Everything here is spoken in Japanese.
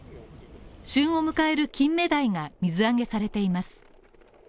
旬を迎えるキンメダイが水揚げされています。